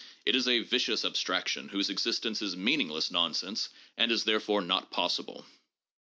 It is a vicious abstraction whose existence is meaningless nonsense, and is therefore not possible.